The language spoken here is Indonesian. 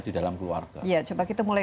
di dalam keluarga coba kita mulai